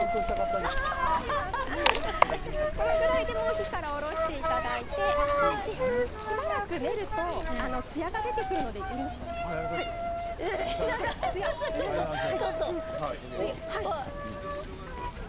このぐらいでもう火から下ろしていただいてしばらく練るとつやが出てくるのでやらせてください。